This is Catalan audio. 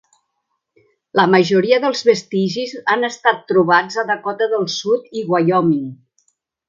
La majoria dels vestigis han estat trobats a Dakota del Sud i Wyoming.